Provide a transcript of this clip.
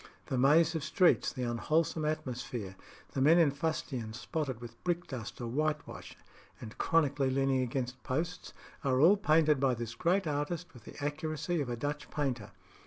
The maze of streets, the unwholesome atmosphere, the men in fustian spotted with brickdust or whitewash, and chronically leaning against posts, are all painted by this great artist with the accuracy of a Dutch painter.